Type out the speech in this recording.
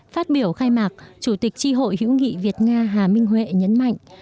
phát biểu khai mạc chủ tịch tri hội hữu nghị việt nga hà minh huệ nhấn mạnh